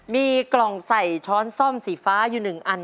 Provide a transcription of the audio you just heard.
มีกล่องใส่ช้อนซ่อมสีฟ้าอยู่๑อัน